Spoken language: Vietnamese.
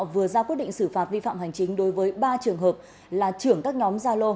vừa ra quyết định xử phạt vi phạm hành chính đối với ba trường hợp là trưởng các nhóm gia lô